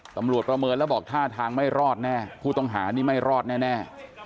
ประเมินแล้วบอกท่าทางไม่รอดแน่ผู้ต้องหานี่ไม่รอดแน่